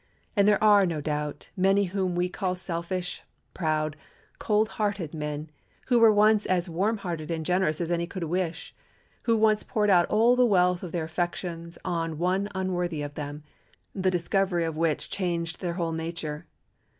And there are, no doubt, many whom we call selfish, proud, cold hearted men who once were as warm hearted and generous as any could wish, who once poured out all the wealth of their affections on one unworthy of them, the discovery of which changed their whole nature.